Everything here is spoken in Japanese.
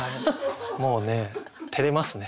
もうねてれますね。